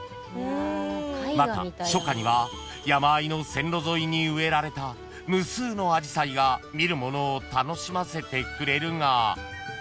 ［また初夏には山あいの線路沿いに植えられた無数のアジサイが見る者を楽しませてくれるが］